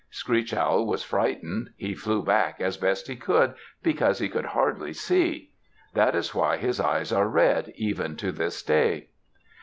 Screech Owl was frightened. He flew back as best he could, because he could hardly see. That is why his eyes are red even to this day.